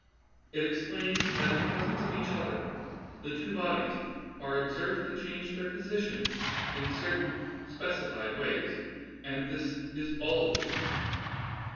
It explains that in pres ence of each other the two bodies are observed to change their positions in a certain specified way, and this is all that it means.